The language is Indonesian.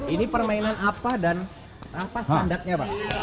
ini permainan apa dan apa standarnya pak